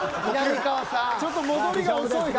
ちょっと戻りが遅い。